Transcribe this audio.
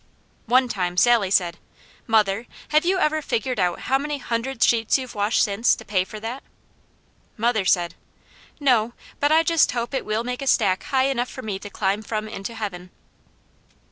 One time Sally said: "Mother, have you ever figured out how many hundred sheets you've washed since, to pay for that?" Mother said: "No, but I just hope it will make a stack high enough for me to climb from into Heaven."